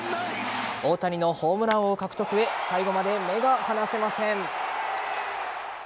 大谷のホームラン王獲得へ最後まで目が離せません。